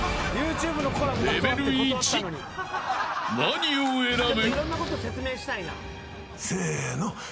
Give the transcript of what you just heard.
レベル１、何を選ぶ。